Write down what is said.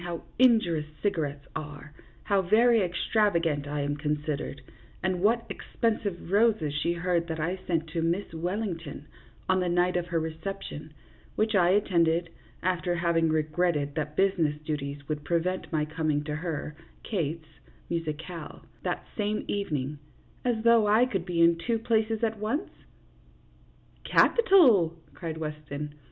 how injurious cigarettes are, how very extravagant I am considered, and what expensive roses she heard that I sent to Miss Wellington on the night of her reception, which I attended, after having re gretted that business duties would prevent my coming to her (Kate's) musicale that same evening as though I could be in two places at once ?"" Capital !" cried Weston.